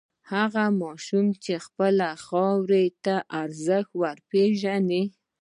هغه ماشوم چې د خپلې خاورې ارزښت وپېژني.